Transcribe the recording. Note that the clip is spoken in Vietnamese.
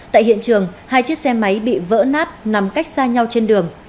tại hiện trường hai chiếc xe máy bị vỡ nát nằm cách xa nhau trên đường